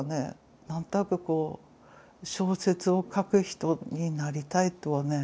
何となくこう小説を書く人になりたいとはね思ってて。